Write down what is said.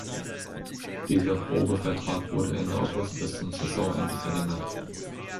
Dieser Probevertrag wurde Ende August bis zum Saisonende verlängert.